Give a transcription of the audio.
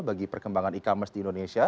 bagi perkembangan e commerce di indonesia